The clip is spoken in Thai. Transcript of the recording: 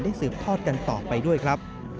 สืบทอดกันต่อไปด้วยครับ